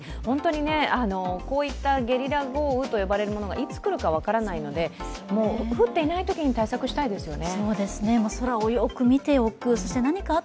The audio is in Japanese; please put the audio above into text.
こういったゲリラ豪雨と呼ばれるものがいつ来るか分からないので降っていないときに対策したいですよね。